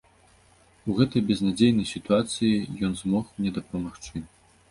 І ў гэтай безнадзейнай сітуацыі ён змог мне дапамагчы.